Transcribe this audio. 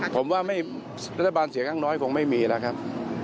ผมว่ารัฐบาลเสียงข้างน้อยคงไม่มีแล้วครับ